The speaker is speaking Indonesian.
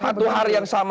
satu hari yang sama